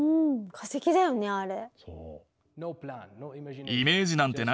化石だよねあれ。